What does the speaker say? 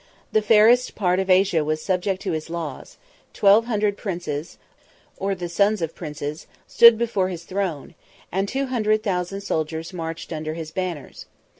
The fairest part of Asia was subject to his laws: twelve hundred princes, or the sons of princes, stood before his throne; and two hundred thousand soldiers marched under his banners.